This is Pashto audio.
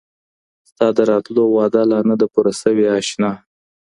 ستا د راتلو وعده لا نه ده پوره سوې اشنا